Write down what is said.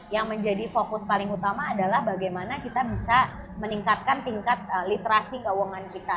yang menjadi fokus paling utama adalah bagaimana kita bisa meningkatkan tingkat literasi keuangan kita